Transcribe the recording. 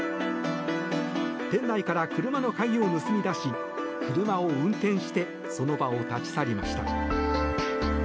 店内から車の鍵を盗み出し車を運転してその場を立ち去りました。